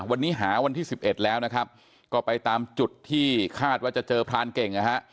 วันนี้หาวันที่สิบเอ็ดแล้วนะครับก็ไปตามจุดที่คาดว่าจะเจอพรานเก่งนะฮะ